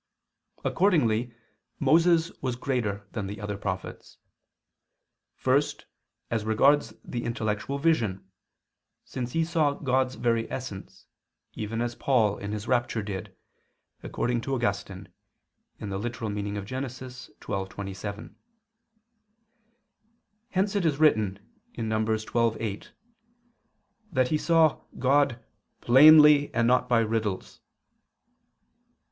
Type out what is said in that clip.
Accordingly Moses was greater than the other prophets. First, as regards the intellectual vision, since he saw God's very essence, even as Paul in his rapture did, according to Augustine (Gen. ad lit. xii, 27). Hence it is written (Num. 12:8) that he saw God "plainly and not by riddles."